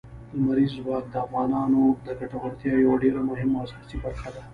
لمریز ځواک د افغانانو د ګټورتیا یوه ډېره مهمه او اساسي برخه ده.